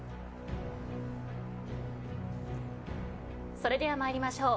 それでは参りましょう。